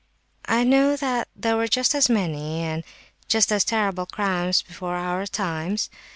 "I know that there were just as many, and just as terrible, crimes before our times.